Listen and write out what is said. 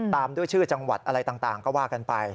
ตามด้วยชื่อจังหวัดอะไรต่างก็ว่ากันไป